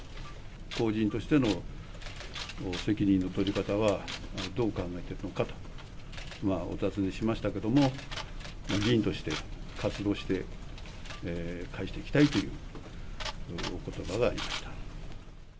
公人としての責任の取り方はどう考えているのか？とお尋ねしましたけれども、議員として活動して返していきたいというおことばがありました。